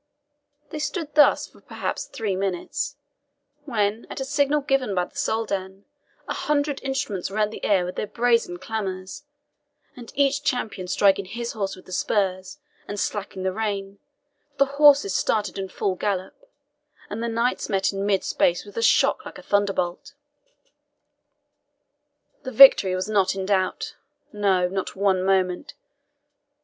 They stood thus for perhaps three minutes, when, at a signal given by the Soldan, a hundred instruments rent the air with their brazen clamours, and each champion striking his horse with the spurs, and slacking the rein, the horses started into full gallop, and the knights met in mid space with a shock like a thunderbolt. The victory was not in doubt no, not one moment.